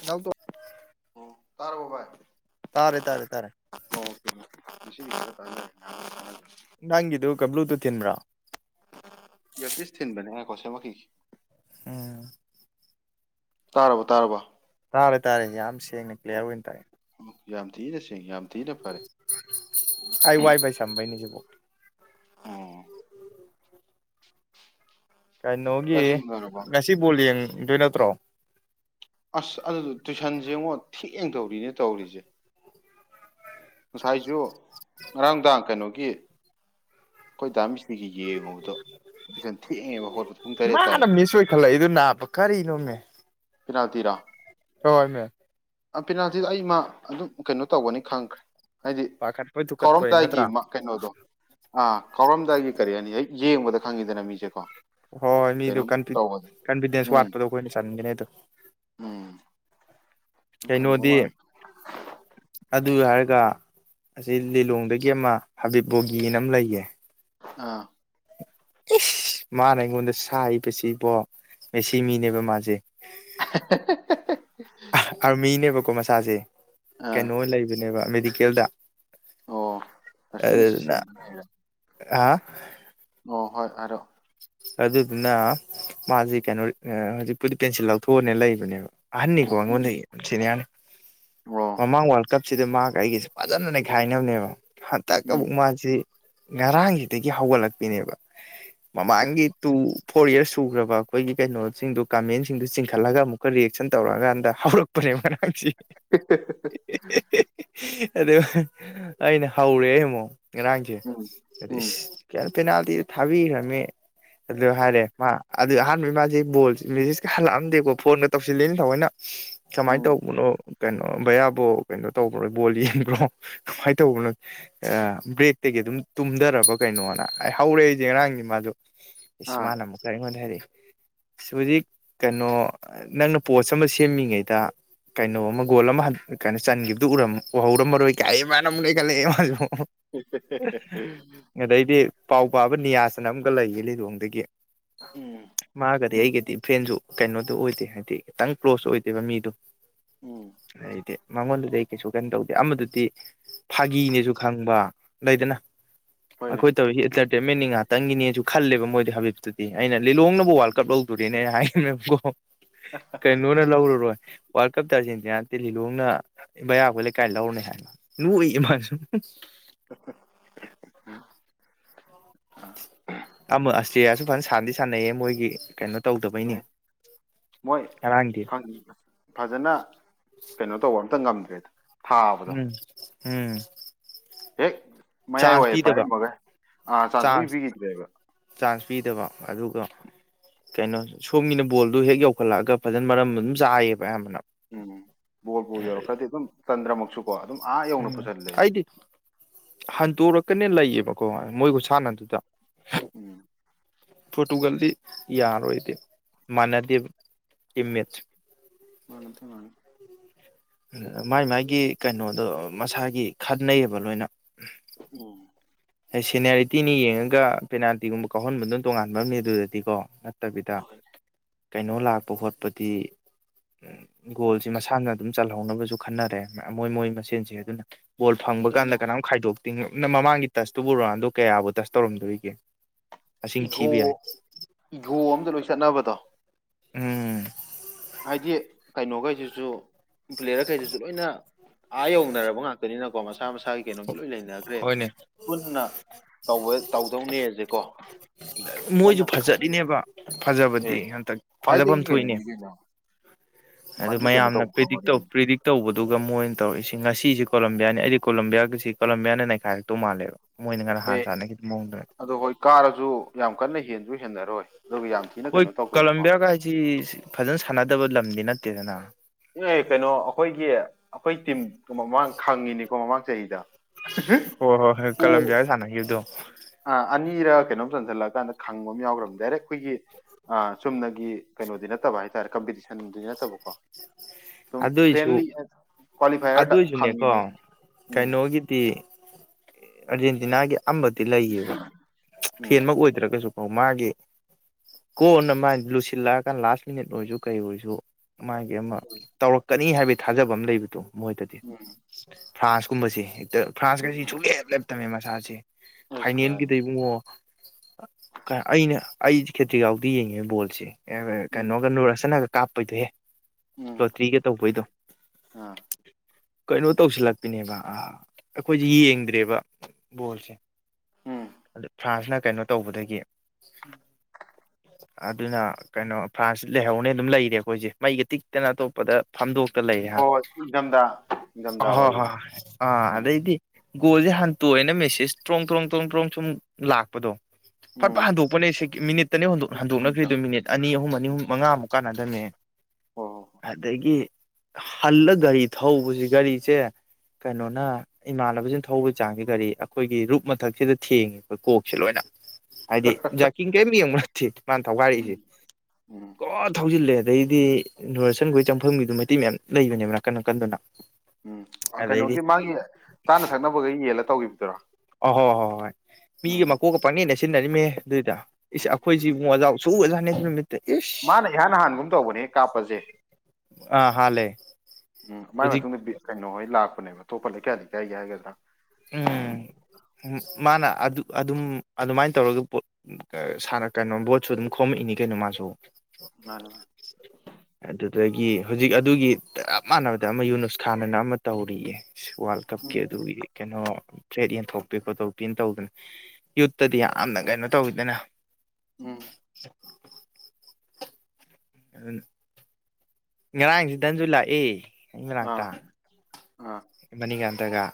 ꯥꯏꯅꯥ꯭ꯎꯇꫭꯟ ꯑꯣ ꯇꯥꯔꯕꯣ ꯚꯥꯏ ꯇꯥꯔꯦ ꯇꯥꯔꯦ ꯇꯥꯔꯦ [unintelligible] ꯅꯪꯒꯤꯗꯨ ꯕ꯭ꯂꯨ ꯇꯨꯠ ꯊꯤꯟꯕ꯭ꯔꯥ [unintelligible] ꯏꯌꯥꯔꯄꯤꯁ ꯊꯤꯟꯕꯅꯦ ꯉꯥꯏꯈꫭ ꯁꯦꯝꯃꯛꯈꯤꯒ‌ꯦ ꯑꯝ ꯇꯥꯔꯕꯣ ꯇꯥꯔꯕꫭ ꯇꯥꯔꯦ ꯇꯥꯔꯦ ꯌꯥꯝ ꯁꯦꯡꯅ ꯀ꯭ꯂꯤꯌꯥꯔ ꯑꯣꯏꯅ ꯇꯥꯔꯌ‌ꯦ ꯎꯝ ꯌꯥꯝ ꯊꯤꯅ ꯁ ꯑꯩꯥꯏ ꯋꯥꯏꯐꯥꯏ ꯁꯝꯕꯩꯅꯤ ꯁꯤꯕꯨꯛ [inaudible] ꯑꯣ ꯆꯥꯛ ꯀꯩꯅꯣꯒꯤ ꯏꯁꯤꯡ ꯎꯅꯔꯕꯣ ꯉꯁꯤ ꯕꯣꯜ ꯌꯦꯡꯗꯣꯏ ꯅꯠꯇ꯭ꯔꯣ ꯑꯁ ꯑꯗꯨꯗꯣ ꯇꯨꯏꯁꯟꯁꯖꯦꯉꯣ ꯊꯦꯡ ꯊꯦꯡ ꯗꯧꯔꯤꯅꯦ ꯇꯧꯔꯤꯁꯦ ꯉꯁꯥꯏꯖꯨ ꯉꯔꯥꯡꯗꯥꯥꯡ ꯀꯩꯅꯣꯒ ꯒꯤ ꯑꯩꯈꯣꯏ ꯗꯥꯃꯤꯁꯇꯤꯒꯤ ꯌꯦꯡꯉꯨꯕꯗꯣ ꯇꯨꯁꯟ ꯊꯦꯡꯉꯦꯕ ꯈꯣꯠꯄ ꯃꯥꯅ ꯃꯤꯁ ꯑꯣꯏꯈꯠꯂꯛꯏꯗꯨ ꯅꯥꯞꯕ ꯀꯔꯤꯅꯣꯃꯦ ꯄꯦꯅꯥꯜꯇꯤꯔꯥ ꯁꯣꯏꯃ‌ꯦ ꯑꯄꯤꯅꯥꯜꯇꯤ ꯑꯩꯃꯥ ꯑꯗꯨꯝ ꯀꯩꯅꯣ ꯇꯧꯒꯅꯤ ꯈꯪꯈ꯭ꯔꯦ ꯍꯥꯏꯗꯤ ꯄꯥꯈꯠꯄꯣꯏ ꯊꯨꯀꯠꯄꯣꯏ ꯀꯥꯎꯔꯝꯗꯥꯏꯒꯤ ꯅꯠꯇ꯭ꯔꯥ ꯀꯩꯅꯣꯗꯣ ꯑꯥ ꯀꯥꯎꯔꯝꯗꯥꯏꯒꯤ ꯀꯔꯤ ꯍꯥꯏꯅꯤ ꯍꯦꯛ ꯌꯦꯡꯕꯗ ꯈꯪꯉꯤꯗꯅ ꯃꯤꯁꯦꯀꯣ ꯍꯣꯏ ꯍꯣꯏ ꯃꯤꯗꯣ ꯀꯩꯅꯣꯝ ꯇꯧꯕꯗ ꯀꯟꯐꯤꯗꯦꯟꯁ ꯎꯝ ꯋꯥꯠꯄꯗꯣ ꯑꯩꯈꯣꯏꯅ ꯆꯟꯒꯅꯤ ꯑꯗꯣ ꯊꯪꯕ ꯀꯩꯅꯣꯗꯤ ꯃꯥ [unintelligible] ꯑꯗꯨ ꯍꯥꯏꯔꯒ ꯑꯁꯤ ꯂꯤꯂꯣꯡꯗꯒꯤ ꯑꯃ ꯍꯥꯕꯤꯠꯕꯣꯒꯤꯅ ꯑꯃ ꯂꯩꯌꯦ ꯑꯥ ꯏꯁ ꯃꯥꯅ ꯑꯩꯉꯣꯟꯗ ꯁꯥꯏꯕꯁꯤ ꯏꯕꯣ ꯃꯦꯁꯤ ꯃꯤꯅꯦꯕ ꯃꯥꯖ‌ꯦ ꯑꯍ ꯑꯥꯔꯃꯤꯅꯦꯕ ꯑꯩꯣ ꯃꯁꯥꯁꯦ ꯑꯥ ꯀꯩꯅꯣ ꯂꯩꯕꯅꯦꯕ ꯁ ꯃꯀꯦꯜꯗ ꯑꯣ ꯅꯔꯁꯤꯡ ꯑꯦꯁꯤꯁꯇꯦꯝꯗꯔ ꯍ ꯑꯣ ꯍꯣꯏ ꯍꯥꯏꯔꯣ ꯑꯗꯨꯗꯨꯅ ꯃꯥꯁꯤ ꯀꯩꯅꯣ ꯍꯧꯖꯤꯛꯄꯨꯗꯤ ꯄꯦꯟꯁꯤꯜ ꯂꯧꯊꯣꯛꯑꯅꯦ ꯂꯩꯕꯅꯦꯕ ꯍꯍꯅꯤꯀꯣꯉ ꯎꯝ ꯂꯩ ꯁꯤꯅꯤꯌꯥꯅꯤ ꯑꯣ ꯃꯃꯥꯡ ꯋꯥꯔꯜ ꯀꯞꯁꯤꯗ ꯃꯍꯥꯛꯒ ꯑꯩꯒꯤꯁꯦ ꯐꯖꯅꯅꯦ ꯈꯥꯏꯅꯕꯅꯦꯕ ꯍꯥ ꯇ ꯀꯕꯨ ꯎꯝ ꯃꯥꯁꯤ ꯉꯔꯥꯡꯁꯤꯗꯒꯤ ꯍꯧꯒꯠꯂꯛꯄꯤꯅꯦꯕ ꯃꯥꯥꯡꯒꯤꯦ ꯇꯨ ꯐꯣꯔ ꯌꯔꯁ ꯁꯨꯈ꯭ꯔꯕ ꯑꯩꯈꯣꯏꯒꯤ ꯀꯩꯅꯣꯁꯤꯡꯗꯨ ꯀꯃꯦꯟꯁꯤꯡꯗꯨ ꯆꯤꯡꯈꯠꯂꯒ ꯑꯃꯨꯛꯀ ꯔꯤꯌꯦꯁꯟ ꯇꯧꯔꯛꯑꯀꯥꯟꯗ ꯍꯧꯔꯛꯄꯅꯦ ꯃꯔꯝꯁꯤ [inaudible] ꯑꯗꯨ ꯑꯩꯅ ꯍꯧꯔꯦ ꯏꯃꯛ ꯉꯥꯡꯁꯦ ꯎꯝ ꯎꯝ ꯀ ꯄꯦꯅꯥꯜꯇꯤꯗ ꯊꯥꯕꯤꯈ꯭ꯔꯅꯤ ꯑꯗꯨ ꯍꯥꯏꯔꯦ ꯃꯥ ꯑꯗꯨ ꯑꯍꯥꯟꯕꯒꯤ ꯃꯥꯁꯦ ꯕꯣꯜꯁꯦ ꯃꯦꯁꯦꯁꯀ ꯍꯜꯂꯛꯑꯝꯗꯦꯀꯣ ꯐꯣꯟꯗꯣ ꯇꯧꯁꯤꯜꯂꯦꯅꯦ ꯊꯥꯑꯣꯏꯅ ꯀꯃꯥꯏꯅ ꯎꯝ ꯇꯧꯕꯅꯣ ꯀꯩꯅꯣ ꯕꯌꯥꯕꯣ ꯀꯩꯅꯣ ꯇꯧꯕ ꯅꯣ ꯕꯣꯜ ꯌꯦꯟꯕ꯭ꯔꯣ ꯀꯃꯥꯏꯅ ꯇꯧꯕꯅꯣ ꯕ꯭ꯔꯦꯛꯇꯒꯤ ꯑꯗꯨꯝ ꯇꯨꯝꯊꯔꯕ ꯀꯩꯅꯣꯅ ꯑꯩ ꯍꯧꯔꯛꯏꯁꯦ ꯉꯔꯥꯡꯅꯤ ꯃꯥꯗꯣ ꯑꯥ ꯏꯁꯃꯥꯟꯅ ꯑꯃꯨꯛ ꯀꯔꯤꯉꯣꯟꯗ ꯍꯥꯏꯗꯤ ꯑ ꯍꯧꯖꯤꯛ ꯀꯩꯅꯣ ꯅꯪꯅ ꯄꯣꯠꯁ ꯑꯃ ꯁꯦꯝꯃꯤꯉꯩꯗ ꯀꯩꯅꯣ ꯑꯃ ꯒꯣꯜ ꯑꯃ ꯀꯩꯅꯣ ꯆꯟꯈꯤꯕꯗꯨ ꯎꯍꯧꯔꯝꯃꯔꯣꯏ ꯀꯥꯏꯃꯥꯏꯅ ꯑꯃꯨꯛ ꯂꯩꯒꯠꯂꯛꯑꯦ ꯃꯥꯁꯨ ꯑꯗꯩꯗꯤ ꯄꯥꯎ ꯄꯥꯕ ꯅꯤꯌꯥꯁꯅ ꯑꯃ ꯀꯀ ꯂꯩꯌꯦ ꯂꯤꯂꯣꯡꯗꯒꯤ ꯎꯝ ꯃꯥꯒ ꯑꯗꯤ ꯑꯩꯒꯤꯗꯤ ꯐ꯭ꯔꯦꯟꯁꯨ ꯀꯩꯅꯣꯗꯨꯣ ꯑꯣꯏꯗꯦ ꯍꯥꯏꯗꯤ ꯈꯤꯇꯪ ꯀ꯭ꯂꯣꯁ ꯑꯣꯏꯗꯦꯕ ꯃꯤꯗꯣ ꯎꯝ ꯍꯥꯏꯥꯏꯗꯤꯦ ꯃꯉꯣꯟꯗꯨꯗꯤ ꯑꯩ ꯀꯩꯁꯨ ꯀꯩꯅꯣ ꯇꯧꯗꯦ ꯑꯃꯗꯨꯗꯤ ꯐꯥꯒꯤꯅꯦꯁꯨ ꯈꯪꯕ ꯂꯩꯗꯅ ꯍꯣꯏꯅꯦ ꯑꯈꯣꯏ ꯇꯧ ꯃꯦ ꯑ ꯇꯪꯒꯤꯅꯤ ꯈꯜꯂꯦꯕ ꯃꯣꯏꯗꯤ ꯍꯥꯕꯤꯠꯇꯨꯗꯤ ꯑꯩꯅ ꯂꯤꯂꯣꯡꯅꯕꯨ ꯋꯥꯔꯜ ꯀꯞ ꯂꯧꯗꯣꯔꯤꯅꯦ ꯑꯩꯅ ꯍꯥꯏꯃꯦꯕꯀꯣ ꯀꯥꯏ ꯅꯅꯦ ꯂꯥꯛꯂ ꯔꯣ ꯋꯥꯔꯜ ꯀꯞꯇ ꯑꯥꯔꯖꯦꯟꯇꯤꯅꯥ ꯇꯤ ꯂꯤꯂꯣꯡꯅ ꯃꯌꯥꯕ ꯂꯩꯀꯥꯏ ꯂꯧꯔꯅꯤ ꯍꯥꯏꯅ ꯂꯣꯛꯏꯃꯁꯨ ꯎ [inaudible] ꯑꯃ ꯑꯁꯇꯌꯥꯁꯨ ꯐꯖꯅ ꯁꯥꯟꯅꯗꯤ ꯁꯥꯟꯅꯩꯌꯦ ꯃꯣꯏꯒꯤ ꯀꯩꯅꯣ ꯇꯧꯗꯕꯩꯅꯦ ꯃꯣꯏ ꯉꯔꯥꯡꯗꯤ ꯐꯖꯅ ꯀꯩꯅꯣ ꯇꯧꯕ ꯪ ꯇꯥꯉꯝꯗꯔꯦ ꯎꯝ ꯍꯝ ꯍꯦꯛ ꯃꯌꯥꯏ ꯋꯥꯏꯌꯦ ꯄꯥꯏꯔꯝꯃꯒꯦ ꯑꯥ ꯆꯥꯟꯁꯨ ꯆꯥꯟꯁ ꯄꯤꯈꯤꯗ꯭ꯔꯦꯕ ꯆꯥꯟꯁ ꯄꯤꯗꯕ ꯑꯗꯨꯒ ꯀꯩꯅꯣ ꯁꯣꯝꯒꯤꯅ ꯕꯣꯜꯗꯨ ꯍꯦꯛ ꯌꯧꯈꯠꯂꯛꯑꯒ ꯐꯖꯅ ꯃꯔꯝ ꯑꯗꯨꯝ ꯆꯥꯏꯌꯦꯕ ꯑꯌꯥꯝꯕꯅ ꯎꯝ ꯕꯣꯂꯕꯨ ꯌꯥꯔ ꯈꯔꯗꯤ ꯑꯗꯨꯝ ꯄꯟꯗꯔꯃꯛꯁꯨ ꯎꯝ ꯑꯩꯗꯤ ꯍꯟ ꯇꯣꯔꯛ ꯀꯅꯦ ꯂꯩꯌꯦꯕꯀꯣ ꯃꯣꯏꯒ ꯁꯥꯟꯅꯗꯨꯗ ꯎꯝ ꯐꯣꯇꯣꯒꯗꯤ ꯌꯥꯔꯣꯏꯗꯤ ꯃꯥꯟꯅꯗꯦꯕ ꯇꯏꯝ ꯃꯦꯇꯁꯤ ꯃꯅꯗꯝꯂꯤ ꯃꯥꯏ ꯃꯒꯤ ꯀꯩꯅꯣꯗꯣ ꯃꯁꯥꯒꯤ ꯈꯅꯩꯑꯌꯦꯕ ꯂꯣꯏꯅ ꯎꯝ ꯁꯦꯅꯤꯌꯥꯔꯤꯇꯤꯅꯤ ꯌꯦꯡꯉꯒ ꯄꯦꯅꯥꯜꯇꯤꯒꯨꯝꯕ ꯀꯥꯎꯍꯟꯕꯗꯨꯝ ꯇꯣꯉꯥꯟꯕ ꯑꯃꯅꯤ ꯑꯗꯨꯗꯗꯤꯀꯣ ꯇꯕꯤꯗ ꯀꯩꯅꯣ ꯂꯥꯛꯄ ꯈꯣꯠꯄꯗꯤ ꯒꯣꯜꯁꯤ ꯃꯁꯥꯅ ꯑꯗꯨꯝ ꯆꯜꯍꯧꯅꯕꯁꯨ ꯈꯟꯅꯔꯦ ꯃꯣꯏ ꯃꯣꯏ ꯃꯁꯦꯟꯁꯦ ꯑꯗꯨꯅ ꯕꯣꯜ ꯐꯡꯕ ꯀꯥꯟꯗ ꯀꯩꯅꯣ ꯀꯝ ꯈꯥꯏꯗꯣꯛ ꯇꯤꯡ ꯃꯛꯅꯥ ꯃꯃꯥꯡꯒꯤ ꯇꯁꯇꯨꯕꯨꯔꯥꯟꯗꯣ ꯀꯌꯥꯕꯨ ꯇꯁ ꯇꯧꯔꯝꯗꯣꯔꯤꯒꯦ ꯃꯁꯤꯡ ꯏꯒꯣ ꯊꯤꯕ ꯌꯥꯏ ꯏꯒꯣ ꯑꯝꯗ ꯂꯣꯏ ꯆꯠꯅꯕꯗꯣ ꯎꯝ ꯍꯥꯏꯗꯤ ꯀꯩꯅꯣꯈꯩꯁꯤꯁꯨ ꯄꯂꯦꯌꯔꯈꯩꯁꯤꯁꯨ ꯂꯣꯏꯅ ꯑꯥ ꯌꯧꯅꯔꯕ ꯉꯥꯛꯇꯅꯤꯅꯀꯣ ꯃꯁꯥ ꯃꯁꯥꯒꯤ ꯀꯩꯅꯣꯗꯣ ꯂꯣꯏ ꯂꯩꯅꯈ꯭ꯔꯦ ꯍꯣꯏꯅꯦ ꯄꯨꯟꯅ ꯇꯧꯕ ꯇꯧꯗꯧꯅꯦꯁꯦꯀꯣ ꯃꯣꯏꯁꯨ ꯀꯟꯅ ꯈꯟꯅꯈ꯭ꯔꯦ ꯐꯖꯔꯤꯅꯦꯕ ꯑꯦ ꯐꯖꯕꯗꯤ ꯍꯟꯇꯛ ꯐꯖꯐꯝ ꯈ꯭ꯋꯥꯏꯗꯒꯤ ꯊꯣꯛꯏꯅꯦ ꯀꯩꯅꯣꯅꯤ ꯀꯩꯅꯣ ꯑꯗꯨ ꯈ꯭ꯋꯥꯏꯗꯒꯤ ꯀꯩꯅꯣ ꯃꯌꯥꯝꯅ ꯇꯧꯕ ꯄ꯭ꯔꯤꯗꯤ ꯈꯪꯉꯅꯤ ꯇꯧ ꯀꯩꯅꯣ ꯄ꯭ꯔꯤꯗꯤꯛ ꯇꯧꯕꯗꯨꯒ ꯃꯣꯏꯅ ꯇꯧꯔꯛꯏꯁꯤ ꯉꯁꯤ ꯀꯣꯂꯝꯕꯤꯌꯥꯅꯤ ꯑꯩꯗꯤ ꯀꯣꯂꯝꯕꯤꯌꯥꯒꯤꯁꯤ ꯀꯣꯝꯕꯤꯌꯥꯅ ꯅꯩꯈꯥꯏꯔꯛꯇꯧ ꯃꯥꯜꯂꯦꯕ ꯃꯣꯏꯅ ꯉꯔꯥꯡ ꯑꯦ ꯍꯥꯟꯅ ꯁꯥꯟꯅꯈꯤꯕ ꯃꯑꯣꯡꯗꯨꯅ ꯑꯗꯨꯗꯣ ꯍꯣꯏ ꯀꯥꯔꯁꯨ ꯌꯥꯝ ꯀꯟꯅ ꯍꯦꯟꯁꯨ ꯍꯦꯟꯅꯔꯣꯏ ꯑꯗꯨꯒ ꯌꯥꯝ ꯊꯤꯅ ꯍꯣꯏ ꯀꯩꯅꯣ ꯇꯧꯕꯅꯤꯀꯣ ꯀꯂꯝꯕꯤꯌꯥꯒ ꯍꯥꯏꯁꯤ ꯐꯖꯅ ꯁꯥꯟꯅꯗꯕ ꯂꯝꯗꯤ ꯅꯠꯇꯦꯗꯅ ꯑꯦ ꯀꯩꯅꯣ ꯑꯩꯈꯣꯏꯒꯤ ꯑꯩꯈꯣꯏ ꯇꯤꯝ ꯃꯃꯥꯡ ꯈꯪꯉꯤꯅꯤꯀꯣ ꯃꯃꯥꯡ ꯆꯍꯤꯗ ꯑꯣ ꯍꯣꯏ ꯍꯣꯏ ꯄꯣ ꯀꯂꯝꯕꯤꯌꯥꯒ ꯁꯥꯟꯅꯈꯤꯕꯗꯨ ꯄꯤꯔ ꯀꯩꯅꯣꯝ ꯆꯟꯁꯤꯜꯂꯀꯥꯟꯗ ꯈꯪꯕ ꯑꯃ ꯌꯥꯎꯈ꯭ꯔꯕ ꯗꯥꯏꯔꯦꯛ ꯑꯩꯈꯣꯏꯒꯤ ꯑ ꯆꯨꯝꯅꯒꯤ ꯀꯩꯅꯣꯗꯤ ꯅꯠꯇꯕ ꯍꯥꯏꯇꯥꯔꯦ ꯀꯝꯄꯤꯇꯤꯁꯟꯗꯨꯗꯤ ꯅꯠꯇꯕꯀꯣ ꯑꯗꯨꯝ ꯑꯗꯨꯏꯁꯨ ꯐ꯭ꯔꯦꯟꯂꯤ ꯀ꯭ꯋꯥꯂꯤꯐꯥꯏꯌꯔꯗ ꯑꯗꯨꯏꯁꯨꯅꯦꯀꯣ ꯈꯪꯉꯤꯅꯦ ꯎꯝ ꯀꯩꯅꯣꯒꯤꯗꯤ ꯑꯔꯖꯦꯟꯇꯤꯅꯥ ꯒꯤ ꯑꯃꯗꯤ ꯂꯩꯌꯦꯕ ꯐꯦꯟ ꯎꯝ ꯃꯛ ꯑꯣꯏꯗ꯭ꯔꯒꯁꯨ ꯑꯣ ꯃꯥꯒꯤ ꯀꯣꯟꯅ ꯃꯥꯥꯏ ꯂꯨꯁꯤꯜꯂꯛꯑꯀꯥꯟꯗ ꯂꯥꯁ ꯃꯤꯅꯤꯠ ꯑꯣꯏꯔꯁꯨ ꯀꯩ ꯑꯣꯏꯔꯁꯨ ꯃꯥꯒꯤ ꯑꯃ ꯀꯅꯤ ꯍꯥꯏꯕꯒꯤ ꯊꯥꯖꯕ ꯑꯃ ꯂꯩꯕꯗꯣ ꯃꯣꯏꯗꯗꯤ ꯎꯝ ꯐ꯭ꯔꯥꯟꯁꯀꯨꯝꯕꯁꯦ ꯐ꯭ꯔꯥꯟꯁ ꯀꯁꯤ ꯁꯨꯛꯂꯦꯞ ꯂꯦꯞꯇꯕꯅꯤ [unintelligible] ꯑꯁ ꯐꯥꯏꯅꯦꯜꯒꯤꯗ ꯀꯔꯥꯏꯗꯩ ꯏꯕꯨꯡꯉꯣ ꯑꯩꯅ ꯑꯩ ꯈꯦꯇ꯭ꯔꯤꯒꯥꯎꯗꯤ ꯌꯦꯡꯉꯦ ꯕꯣꯜꯁꯦ ꯑꯦ ꯎꯝ ꯀꯩꯅꯣꯒ ꯂꯨꯔꯁꯟꯅ ꯀꯥꯞꯄꯩꯗꯨꯍꯦ ꯎꯝ ꯂꯣꯇ꯭ꯔꯤꯒ ꯇꯧꯕꯩꯗꯣ ꯑꯥ ꯀꯩꯅꯣ ꯇꯧꯁꯤꯜꯂꯛꯇꯅꯦꯕ ꯑ ꯑꯩꯈꯣꯏꯗꯤ ꯌꯦꯡꯗ꯭ꯔꯦꯕ ꯕꯣꯜꯁꯦ ꯎꯝ ꯑꯗꯨ ꯐ꯭ꯔꯥꯟꯁꯅ ꯀꯩꯅꯣ ꯇꯧꯕꯗꯒꯤ ꯑꯗꯨꯅ ꯀꯩꯅꯣ ꯐ꯭ꯔꯥꯟꯁ ꯂꯩꯍꯧꯅꯦ ꯑꯗꯨꯝ ꯂꯩꯔꯦ ꯑꯩꯈꯣꯏꯁꯦ ꯃꯩꯒ ꯇꯤꯛ ꯇꯅ ꯑꯇꯣꯞꯄꯗ ꯐꯝꯗꯣꯛ ꯂꯩ ꯑ ꯍꯣꯏ ꯍꯣꯏ ꯏꯪꯊꯝꯊꯥ ꯏꯪꯊꯝꯊꯥ ꯍꯣ ꯍꯣꯏ ꯑꯣꯏꯕꯅꯦ ꯑꯥ ꯎꯝ ꯑꯗꯩꯗꯤ ꯒꯣꯜꯁꯦ ꯍꯟꯇꯣꯛꯑꯅ ꯃꯦꯁꯦꯁ ꯇ꯭ꯔꯣꯡ ꯇ꯭ꯔꯣꯡ ꯇ꯭ꯔꯣꯡ ꯇ꯭ꯔꯣꯡ ꯁꯨꯝ ꯂꯥꯛꯄꯗꯣ ꯐꯠꯄ ꯎꯝ ꯍꯟꯗꯣꯛꯄꯅꯦꯦ ꯃꯤꯅꯤꯠꯇꯅꯤ ꯍꯣꯏꯗ ꯍꯟꯗꯣꯛꯅꯈ꯭ꯔꯤꯗ ꯃꯤꯅꯤꯠ ꯑꯅꯤ ꯑꯍꯨꯝ ꯑꯅꯤ ꯑꯍꯨꯝ ꯃꯉꯥꯃꯨꯛ ꯀꯥꯟꯅꯗꯕꯅꯦ ꯍꯣꯏ ꯍꯣꯏ ꯍꯣꯏ ꯑꯗꯒꯤ ꯍꯜꯂ ꯒꯥꯔꯤ ꯊꯧꯕꯁꯤ ꯒꯥꯔꯤꯁꯦ ꯀꯩꯅꯣꯅ ꯏꯃꯥꯟꯅꯕꯁꯤꯅ ꯊꯧꯕꯒꯤ ꯆꯥꯡꯁꯦ ꯒꯥꯔꯤ ꯑꯩꯈꯣꯏꯒꯤ ꯔꯨꯨꯞ ꯃꯊꯛꯁꯤꯗ ꯊꯦꯡꯉꯦ ꯑꯩꯈꯣꯏ ꯀꯣꯛꯁꯦ ꯂꯣꯏꯅ ꯍꯥꯏꯗꯤ ꯖꯥꯀꯤꯡ ꯀꯔꯤꯝ ꯌꯦꯡꯕ ꯅꯠꯇꯦ ꯃꯥꯅ ꯎꯝ ꯊꯧꯒꯥꯏꯔꯛꯏꯁꯦ ꯎꯝ ꯀꯣ ꯊꯧꯖꯤꯜꯂꯦ ꯑꯗꯩꯗꯤ ꯅꯨꯔꯁꯟꯈꯣꯏ ꯆꯪꯐꯝꯒꯤꯗꯨꯣ ꯃꯩꯇꯩ ꯃꯌꯥꯝ ꯂꯩꯕꯅꯦꯕ ꯅꯀꯟ ꯅꯀꯟꯗꯅ ꯎꯝ ꯀꯩꯅꯣꯒꯤ ꯃꯥꯒꯤ ꯆꯥꯅ ꯊꯛꯅꯕꯒ ꯌꯦꯜꯂ ꯇꯧꯈꯤꯕꯗꯨꯔꯣ ꯑꯣ ꯍꯣ ꯍꯣ ꯍꯣꯏ ꯃꯤꯒ ꯎꯝ ꯃꯀꯣꯛꯀ ꯄꯪꯅꯦꯠ ꯅꯦꯠꯁꯟꯅꯩ ꯁꯤꯟꯅꯤ ꯃꯦ ꯑꯗꯨꯨꯏꯗꯥ ꯏꯁ ꯎꯝ ꯑꯩꯈꯣꯏꯁꯤ ꯏꯕꯨꯡꯉꯣ ꯋꯥꯖꯥꯎ [inaudible] ꯃꯥꯅ ꯏꯍꯥꯟ ꯍꯥꯟꯒꯨꯝ ꯇꯧꯕꯅꯦ ꯀꯥꯞꯄꯁꯦ ꯑꯥ ꯍꯥꯜꯂꯦ ꯎꯝ ꯃꯥꯏ ꯍꯧꯖꯤꯛ ꯃꯇꯨꯡꯗ ꯀꯩꯅꯣꯍꯣꯏ ꯂꯥꯛꯄ ꯑꯇꯣꯞꯄ ꯂꯩꯀꯥꯏꯗꯤ ꯂꯩꯀꯥꯏꯒꯤ ꯍꯥꯏꯒꯗ꯭ꯔꯥ ꯎꯝ ꯃꯥꯅ ꯑꯗꯨ ꯑꯗꯨꯝ ꯑꯗꯨꯃꯥꯏꯅ ꯇꯧꯔꯒꯅ ꯀꯩꯅꯣ ꯕꯣꯠꯁꯨ ꯑꯗꯨꯝ ꯈꯣꯝꯃꯛꯏꯅꯤ ꯀꯩꯅꯣ ꯃꯥꯁꯨ ꯃꯥ ꯑꯗꯒꯤ ꯍꯧꯖꯤꯛ ꯑꯗꯨꯒꯤ ꯆꯞ ꯃꯥꯟꯅꯕꯗ ꯑꯃ ꯌꯨꯅꯨꯁ ꯈꯥꯟ ꯑꯅ ꯑꯃ ꯇꯧꯔꯤꯌꯦ ꯋꯥꯔꯜꯗ ꯀꯞꯀꯤ ꯎꯝ ꯑꯗꯨ ꯑꯣꯏꯌꯦ ꯀꯣ ꯊ꯭ꯔꯦꯠ ꯌꯦꯟꯊꯣꯛꯄꯤ ꯈꯣꯠꯇꯣꯛꯄꯤꯅ ꯇꯧꯗꯅ ꯌꯨꯠꯇꯗꯤ ꯌꯥꯝꯅ ꯀꯩꯅꯣ ꯇꯧꯋꯤꯗꯅ ꯎꯝ ꯑꯗꯨꯅ ꯉꯔꯥꯡꯁꯦ [inaudible] ꯂꯥꯛꯑꯦ ꯂꯥꯛꯇ ꯎꯝ ꯃꯅꯤꯀꯥꯟꯇꯒ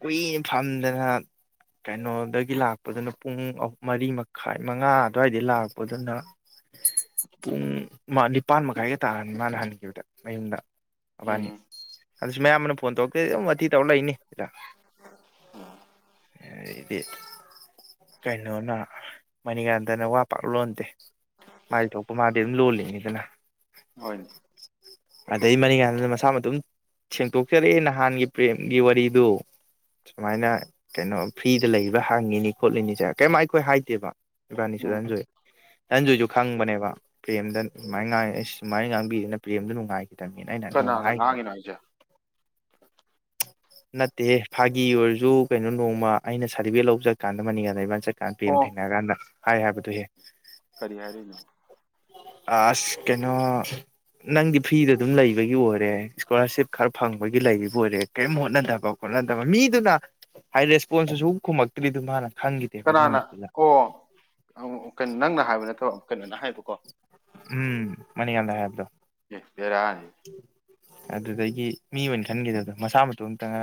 ꯀꯨꯏꯅꯥ ꯐꯝꯗꯅ ꯀꯩꯅꯣꯗꯒꯤ ꯂꯥꯛꯄꯗꯨꯅ ꯄꯨꯡ ꯑꯍꯨꯝ ꯃꯔꯤ ꯃꯈꯥꯏ ꯃꯉꯥ ꯑꯗꯨ꯭ꯋꯥꯏꯗꯩ ꯂꯥꯛꯄꯗꯨꯅ ꯎꯝ ꯃꯥ ꯅꯤꯄꯥꯟ ꯃꯈꯥꯏꯒ ꯇꯥꯔꯅꯤ ꯃꯥꯅ ꯍꯟꯈꯤꯕꯗ ꯃꯌꯨꯝꯗ ꯎꯝ ꯑꯕꯥꯅꯤ ꯎꯝ ꯑꯗꯨꯁꯨ ꯃꯌꯥꯝ ꯑꯃꯅ ꯐꯣꯟ ꯇꯧꯔꯛꯇꯦꯗꯤ ꯑꯗꯨꯝ ꯃꯊꯤ ꯇꯧꯔ ꯂꯩꯅꯤꯗ ꯎꯝ ꯏꯗꯤꯠ ꯀꯩꯅꯣꯅ ꯃꯅꯤ ꯀꯥꯟꯗꯅ ꯋꯥ ꯄꯥꯛ ꯂꯣꯟꯗꯦ ꯃꯥꯗꯤ ꯊꯣꯛꯄ ꯃꯥꯗꯤ ꯑꯗꯨꯝ ꯂꯣꯜꯂꯤꯅꯤꯗꯅ ꯍꯣꯏꯅꯦ ꯑꯗꯩ ꯃꯔꯤ ꯀꯥꯟꯅ ꯃꯁꯥ ꯃꯇꯝ ꯁꯦꯡꯇꯣꯛꯆꯔꯛꯑꯦ ꯅꯍꯥꯟꯒꯤ ꯄ꯭ꯔꯦꯝꯒꯤ ꯋꯥꯔꯤꯗꯨ ꯁꯨꯃꯥꯏꯅ ꯀꯩꯅꯣ ꯐ꯭ꯔꯤꯗ ꯂꯩꯕ ꯍꯪꯉꯤꯅꯤ ꯈꯣꯠꯂꯤꯅꯤꯁꯦ ꯀꯩꯝ ꯑꯩꯈꯣꯏ ꯍꯥꯏꯗꯦꯕ ꯏꯕꯥꯅꯤꯁꯨ ꯎꯝ ꯔꯟꯖꯣꯏ ꯅꯟꯖꯨꯁꯨ ꯈꯪꯕꯅꯦꯕ ꯄ꯭ꯔꯦꯝꯗ ꯁꯨꯃꯥꯏꯅ ꯉꯥꯡꯉꯦ ꯁꯨꯃꯥꯏꯅ ꯉꯥꯡꯕꯤꯗꯅ ꯄ꯭ꯔꯦꯝꯗ ꯅꯨꯡꯉꯥꯏ ꯀꯅꯥꯅꯒ ꯉꯥꯡꯉꯤꯅꯣ ꯍꯥꯌꯖꯦ ꯅꯠꯇꯦ ꯐꯥꯒꯤ ꯑꯣꯏꯔꯁꯨ ꯀꯩꯅꯣ ꯅꯣꯡꯃ ꯑꯩꯅ ꯁꯥꯔꯇꯤꯐꯤꯀꯦꯠ ꯂꯧꯧꯕꯖꯠꯀꯥꯟꯗ ꯃꯅꯤ ꯀꯗ ꯆꯠ [inaudible] ꯑꯣ ꯊꯦꯡꯅꯔꯀꯥꯟꯗ ꯍꯥꯏ ꯍꯥꯏꯕꯗꯨꯍꯦ ꯀꯔꯤ ꯍꯥꯏꯔꯤꯅꯣ ꯑꯁ ꯀꯩꯅꯣ ꯅꯪꯗꯤ ꯐꯔꯤꯗ ꯑꯗꯨꯝ ꯂꯩꯕꯒꯤ ꯑꯣꯏꯔꯦ ꯏꯁꯀꯣꯂꯥꯔꯁꯤꯞ ꯈꯔ ꯐꯪꯕꯒꯤ ꯂꯩꯔꯤꯕ ꯑꯣꯏꯔꯦ ꯀꯔꯤꯝ ꯍꯣꯠꯅꯗꯕ ꯈꯣꯠꯅꯗꯕ ꯃꯤꯗꯨꯅ ꯍꯥꯏ ꯔꯦꯁꯄꯣꯟꯁꯁꯨ ꯁ ꯈꯨꯝꯃꯛꯇ꯭ꯔꯤꯗꯨ ꯃꯥꯅ ꯈꯪꯈꯤꯗꯦꯕ ꯑꯗꯨ ꯀꯅꯥꯅ ꯅꯨꯃꯤꯠꯇꯨꯗ ꯀꯩꯅꯣ ꯅꯪꯅ ꯍꯥꯏꯕ ꯅꯠꯇꯕꯣ ꯀꯩꯅꯣꯅ ꯍꯥꯏꯕꯀꯣ ꯎꯝ ꯃꯅꯤ ꯀꯥꯟ ꯗ ꯍꯥꯏꯣ ꯑꯦ ꯕꯦꯔꯥꯅꯦ ꯑꯗꯨꯗꯒꯤ ꯃꯤ ꯑꯣꯏꯅ ꯈꯟꯒꯤꯗꯕꯗꯣ ꯃꯁꯥ ꯃꯇꯣꯝꯇꯅ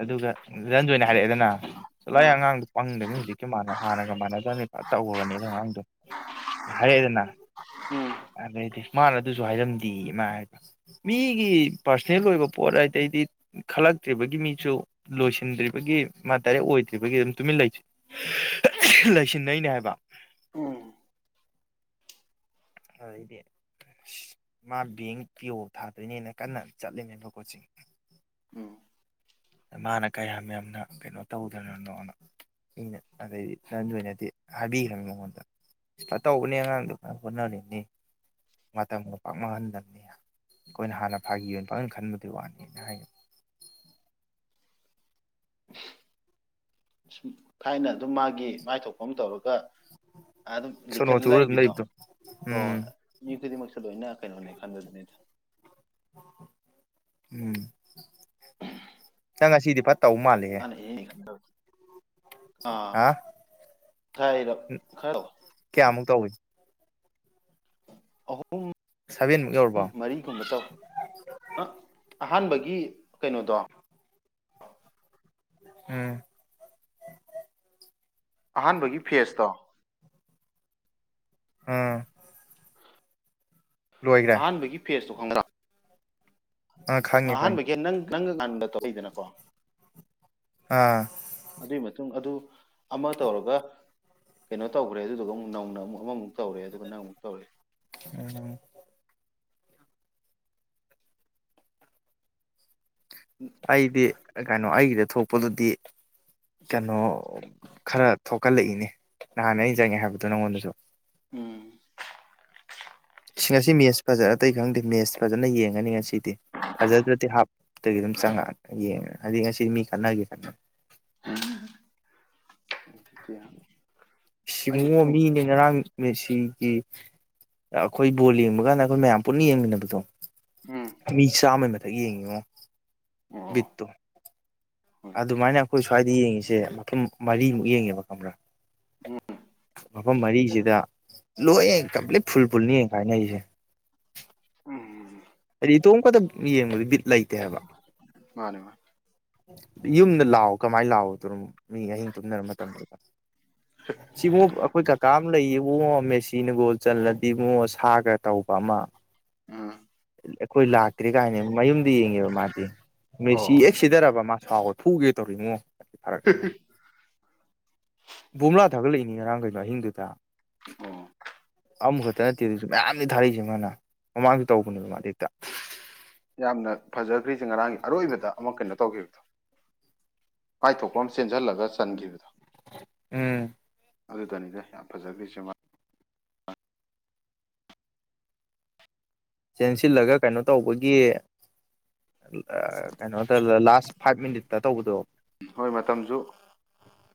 ꯑꯗꯨꯒ ꯗꯅꯟꯖꯣꯏꯅ ꯍꯥꯏꯔꯛꯑꯦꯗꯅ ꯅ ꯆꯠꯂꯣꯍꯦ ꯎꯝ ꯑꯉꯥꯡꯗꯣ ꯄꯪꯗꯝꯅꯤ ꯍꯧꯖꯤꯛꯀꯤ ꯃꯥꯟꯅ ꯍꯥꯟꯅꯒ ꯃꯥꯟꯅꯗꯕꯅꯤ ꯐꯅ ꯇꯧꯕꯅꯤ ꯑꯗꯨ ꯑꯉꯥꯡꯗꯣ ꯍꯥꯏꯔꯛꯑꯦꯗꯅ ꯎꯝ ꯑꯗꯩꯗꯤ ꯃꯥꯅꯗꯤ ꯁꯨ ꯍꯥꯏꯔꯝꯗꯦꯌꯦ ꯃꯥ ꯍꯥꯏꯕ ꯃꯤꯒꯤ ꯄꯔꯁꯣꯅꯦꯜ ꯑꯣꯏꯕ ꯄꯣꯠ ꯑꯗꯩꯗꯤ ꯈꯜꯂꯛꯇ꯭ꯔꯤꯕꯒꯤ ꯃꯤꯁꯨ ꯂꯣꯏꯁꯤꯟꯗ꯭ꯔꯤꯕꯒꯤ ꯃꯥ ꯗꯥꯏꯔꯦꯛ ꯑꯣꯏꯗ꯭ꯔꯤꯕꯒꯤ ꯑꯗꯨꯝ ꯇꯨꯃꯤꯟ ꯂꯩꯁꯤꯟ ꯂꯩꯁꯤꯟꯅꯩꯅꯦ ꯍꯥꯏꯕ ꯎꯝ ꯑꯗꯩꯗꯤ ꯃꯥ ꯕꯦꯡꯛ ꯄꯤꯌꯣ ꯊꯥꯗꯣꯏꯅꯦꯅ ꯀꯟꯅ ꯆꯠꯂꯤꯅꯦꯕ ꯀꯣꯆꯤꯡ ꯎꯝ ꯃꯥꯅ ꯀꯌꯥꯝ ꯌꯥꯝꯅ ꯀꯩꯅꯣ ꯇꯧꯗꯅꯅꯣꯅ ꯑꯩꯅ ꯑꯗꯩꯗꯤ ꯗꯅꯟꯖꯣꯏꯅꯗꯤ ꯍꯥꯏꯕꯤꯈ꯭ꯔꯕꯅꯦ ꯃꯉꯣꯟꯗ ꯐꯅꯇꯧꯕꯅꯦ ꯑꯉꯥꯡꯗꯣ ꯍꯣꯠꯅꯔꯤꯕꯅꯤ ꯉꯇꯪꯃꯄꯝ [inaudible] ꯃꯥꯡꯍꯟꯕꯅꯦ ꯑꯩꯈꯣꯏꯅ ꯍꯥꯟꯅ ꯐꯥꯒꯤ ꯑꯣꯏꯅ ꯄꯈꯟ ꯈꯟꯕꯗꯨꯏ ꯋꯥꯅꯦꯅ ꯍꯥꯏꯒꯤꯝ ꯍꯝ ꯐꯥꯏꯅꯦꯜ [inaudible] ꯑꯗꯨꯝ ꯃꯥꯒꯤ ꯃꯥꯏꯊꯣꯛꯄꯝ ꯇꯧꯔꯒ ꯑꯗꯨꯝ ꯁꯣꯅꯣ ꯂꯤꯈꯠꯂ ꯆꯨꯔ ꯑꯗꯨꯝ ꯂꯩꯕꯤꯗꯣ ꯂꯩꯕꯗꯣ ꯎꯝ ꯍꯣꯍꯣꯏ ꯃꯤ ꯈꯨꯗꯤꯡꯃꯛꯁꯨ ꯂꯣꯏꯅ ꯀꯩꯅꯣꯅꯦ ꯈꯟꯕꯗꯨꯅꯦꯗ ꯎꯝ ꯃꯥ ꯑꯁꯤꯗꯤ ꯐ ꯃꯅꯥ ꯏꯍꯩ ꯍꯩꯅ ꯗꯕꯁꯦ ꯍꯥ ꯈꯔ ꯍꯝ ꯈꯔ ꯀꯌꯥꯃꯨꯛ ꯇꯧꯏ ꯄꯨꯡ ꯁꯚꯦꯟꯃꯨꯛ ꯌꯧꯔꯕꯣ ꯃꯔꯤꯒꯨꯝꯕ ꯇꯧꯏ ꯑꯥ ꯑꯍꯥꯟꯕꯒꯤ ꯀꯩꯅꯣꯗꯣ ꯎꯝ ꯑꯍꯥꯟꯕꯒꯤ ꯐꯦꯁꯇꯣ ꯎꯝ ꯂꯣꯏꯈ꯭ꯔꯦ ꯑꯍꯥꯟꯕꯒꯤ ꯐꯦꯁꯇꯣ ꯉꯝꯒꯗ꯭ꯔꯥ ꯑ ꯈꯪꯉꯦ ꯈꯪꯉꯦ ꯅꯪꯒ ꯉꯟꯕ ꯇꯥꯛꯏꯗꯅꯀꯣ ꯑꯥ ꯑꯗꯨꯏꯒꯤ ꯃꯇꯨꯡ ꯑꯗꯨ ꯑꯃ ꯇꯧꯔꯒ ꯀꯩꯅꯣ ꯇꯧꯒ꯭ꯔꯦ ꯑꯗꯨꯗꯨꯒ ꯑꯃꯨꯛ ꯅꯧꯅ ꯑꯃꯨꯛ ꯑꯃꯃꯨꯛ ꯇꯧꯔꯦ ꯑꯗꯨꯒ ꯅꯪ ꯑꯃꯨꯛ ꯇꯧꯔꯛꯑꯦ ꯎꯝ ꯑꯩꯗꯤ ꯀꯝꯀꯟ ꯅꯣ ꯑꯩꯒꯤꯗ ꯊꯣꯛꯄꯗꯨꯗꯤ ꯀꯥꯅꯣ ꯈꯔ ꯊꯣꯛꯀꯜꯂꯛꯏꯅꯦ ꯅꯍꯥꯟꯅ ꯑꯩꯅ ꯆꯪꯉꯦ ꯍꯥꯏꯕꯗꯣ ꯅꯪꯉꯣꯟꯗꯁꯨ ꯎꯝ ꯏꯁ ꯉꯁꯤ ꯃꯦꯠꯁ ꯐꯖꯔ ꯑꯇꯩ ꯈꯪꯗꯦ ꯃꯦꯠꯁ ꯐꯖꯅ ꯌꯦꯡꯉꯅꯤ ꯉꯁꯤ ꯐꯖꯗ꯭ꯔꯗꯤ ꯍꯥꯞ ꯀꯩꯒꯤ ꯑꯗꯨꯝ ꯆꯪꯉꯛꯑ ꯌꯦꯡꯉ ꯍꯥꯏꯕꯗꯤ ꯉꯁꯤꯗꯤ ꯃꯤ ꯈꯠꯅꯒꯦ ꯈꯠꯅ [inaudible] ꯑꯌꯨꯛ ꯁꯤꯃꯨꯣ ꯄꯨꯡ ꯃꯤꯅꯦ ꯉꯔꯥꯡꯅꯦꯁꯤ ꯁꯤꯒꯤ ꯑꯩꯈꯣꯏ ꯕꯣꯜ ꯌꯦꯡꯕ ꯀꯥꯟꯗ ꯑꯩꯈꯣꯏ ꯃꯌꯥꯝ ꯄꯨꯟꯅ ꯌꯦꯡꯃꯤꯟꯅꯕꯗꯣ ꯎꯝ ꯃꯤ ꯆꯥꯝꯃꯩ ꯃꯊꯛ ꯌꯦꯡꯉꯤꯉꯣ ꯑꯣ ꯕꯤꯠ ꯇꯤ ꯍꯣꯏ ꯑꯗꯨꯃꯥꯏꯅ ꯑꯩꯈꯣꯏ ꯁ꯭ꯋꯥꯏꯗ ꯌꯦꯡꯉꯤꯁꯦ ꯃ ꯃꯔꯤꯃꯨꯛ ꯌꯦꯡꯉꯦꯕ ꯀꯔꯥ ꯃꯐꯝ ꯃꯔꯤ ꯁꯤꯗ ꯂꯣꯏ ꯀꯝꯄ꯭ꯂꯤꯠ ꯐꯨꯜ ꯐꯨꯜꯅꯤ ꯌꯦꯡ ꯀꯥꯏꯅ ꯑꯩꯁꯦ ꯎꯝ ꯑ ꯇꯣ ꯀ ꯌꯦꯡ ꯂꯥꯏ ꯃꯥꯅꯦ ꯃꯥ ꯌꯨꯝꯗ ꯂꯥꯛꯑꯣ ꯀꯃꯥꯏꯅ ꯂꯥꯛꯑꯣ ꯇ ꯃꯤ ꯑꯍꯤꯡ ꯇꯨꯝꯅꯔ ꯃꯇꯝꯗꯨꯗ ꯁꯤꯕꯨ ꯑꯩꯈꯣꯏ ꯀꯀꯥ ꯑꯃ ꯂꯩꯌꯦ ꯃ ꯑꯃ ꯃ ꯁꯤꯤꯅꯒꯣꯜ ꯆꯜꯂꯗꯤ ꯃꯉꯣ ꯁꯥꯒ ꯇꯧꯕ ꯑꯃ ꯎꯝ ꯑꯩꯈꯣꯏ ꯂꯥꯛꯇ꯭ꯦ ꯀꯥꯏꯅꯦ ꯃꯌꯨꯝꯗ ꯌꯦꯡꯉꯦꯕ ꯃꯥꯗꯤ ꯑꯣ ꯃꯦꯁꯤ ꯌꯦꯛ ꯁꯤꯗꯔꯕ ꯃꯥ ꯁꯥꯎꯕ ꯊꯨꯒꯦ ꯇꯧꯔꯤꯃꯣ ꯍꯥꯏ ꯊꯥꯔꯛꯅꯤꯡꯉꯤ ꯕꯣꯝꯂꯥ ꯊꯥꯒꯠꯂꯛꯏꯅꯤ ꯉꯔꯥꯡ ꯀꯩꯅꯣ ꯑꯍꯤꯡꯗꯨꯗ ꯑꯣ ꯑꯃꯈꯛꯇ ꯅꯠꯇꯦ ꯑꯗꯨꯁꯨ ꯃꯌꯥꯝꯗꯤ ꯊꯥꯔꯤꯛꯏꯁꯦ ꯃꯥꯅ ꯃꯃꯥꯡꯁꯨ ꯇꯧ ꯗꯦꯛꯇ ꯌꯥꯝꯅ ꯐꯖꯈ꯭ꯔꯤꯁꯦ ꯉꯔꯥꯡꯒꯤ ꯑꯔꯣꯏꯕꯗ ꯑꯃ ꯀꯩꯅꯣ ꯇꯧꯈꯤꯕꯗꯣ ꯀꯥꯏꯊꯣꯛꯄ ꯑꯃ ꯆꯦꯟꯁꯤꯜꯂꯒ ꯆꯟꯈꯤꯕꯗꯣ ꯎꯝ ꯑꯗꯨꯗꯅꯤꯗ ꯌꯥꯝ ꯐꯖꯈ꯭ꯔꯤꯁꯦ ꯃꯥ ꯆꯦꯟꯁꯤꯜꯂꯒ ꯀꯩꯅꯣ ꯇꯧꯕꯒꯤ ꯀꯩꯅꯩꯅꯣ ꯃꯇꯝ ꯂꯥꯁ ꯐꯥꯏꯚ ꯃꯤꯅꯤꯠꯇ ꯇꯧꯕꯗꯣ ꯍꯣꯏ ꯃꯇꯝꯁꯨ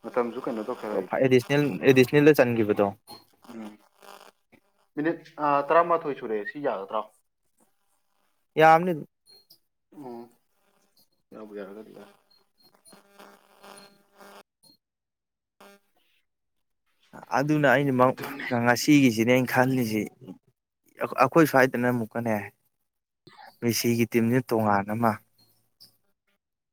ꯃꯇꯝꯁꯨ ꯀꯩꯅꯣ ꯇꯧꯀꯦ ꯂꯩꯗꯅ ꯑꯦꯗꯤꯁꯅꯦꯜ ꯑꯦꯗꯤꯁꯅꯦꯜꯗ ꯆꯟꯈꯤꯕꯗꯣ ꯎꯝ ꯃꯤꯅꯤꯠ ꯑ ꯇꯔꯥꯃꯥꯊꯣꯏ ꯁꯨꯔꯦꯑꯦ ꯁꯤ ꯌꯥꯒꯗ꯭ꯔꯥ ꯌꯥꯝ ꯑꯃꯅꯤꯅꯤ ꯑꯣ ꯌꯥꯕꯒ ꯑꯗꯨꯅ ꯑꯩꯅꯃꯛ ꯉꯁꯤꯒꯤꯁꯤ ꯁꯤꯅꯦ ꯑꯩꯅ ꯈꯜꯂꯤꯁꯤ ꯑꯩꯈꯣꯏ ꯁ꯭ꯋꯥꯏꯗꯅ ꯑꯃꯨꯛꯀꯅꯦ ꯃꯦꯁꯤꯒꯤ ꯇꯤꯝꯁꯤꯅ ꯇꯣꯉꯥꯟ ꯑꯃ